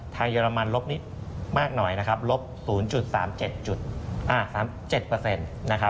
ทางเยอรมันลบนิดมากหน่อยลบ๐๓๗เปอร์เซ็นต์